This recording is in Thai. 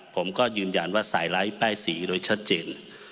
ผมก็ยืนยันว่าสายไร้ป้ายสีโดยชัดเจน